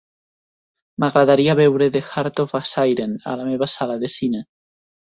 M'agradaria veure "The Heart of a Siren" a la meva sala de cine.